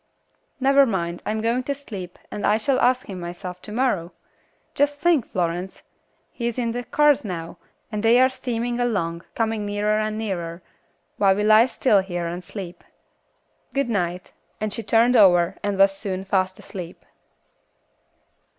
"Never mind, I am going to sleep, and I shall ask him myself to morrow. Just think, Florence, he is in the cars now, and they are steaming along, coming nearer and nearer, while we lie still here and sleep. Good night," and she turned over and was soon fast asleep.